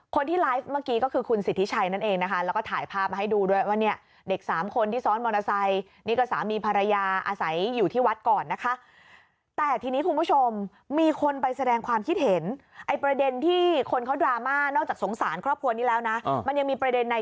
คนที่ไลฟ์เมื่อกี้ก็คือคุณสิทธิไชร์นั่นเองนะคะแล้วก็